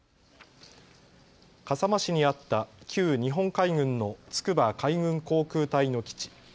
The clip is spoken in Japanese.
笠間市にあった旧日本海軍の筑波海軍航空隊の基地。